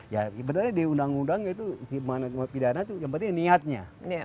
ya sebenarnya di undang undang itu dimana pidana itu yang berarti niatnya